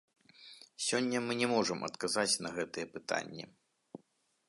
Сёння мы не можам адказаць на гэтыя пытанні.